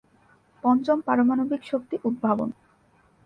পঞ্চম, পারমাণবিক শক্তি উদ্ভাবন।